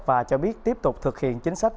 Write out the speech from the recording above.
và cho biết tiếp tục thực hiện chính sách